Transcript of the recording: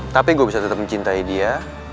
tapi gue bisa tetap mencintai dia